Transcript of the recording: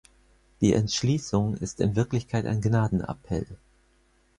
Die Entschließung ist in Wirklichkeit ein Gnadenappell.